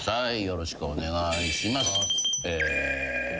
よろしくお願いします。